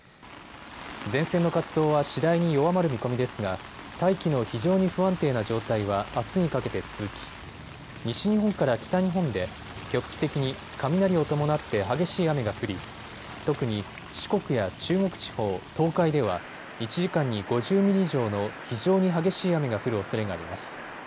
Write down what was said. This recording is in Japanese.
前線の活動は次第に弱まる見込みですが大気の非常に不安定な状態はあすにかけて続き西日本から北日本で局地的に雷を伴って激しい雨が降り、特に四国や中国地方、東海では１時間に５０ミリ以上の非常に激しい雨が降るおそれがあります。